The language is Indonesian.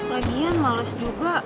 lagian males juga